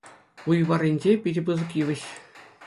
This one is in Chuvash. Уй варринче — питӗ пысӑк йывӑҫ.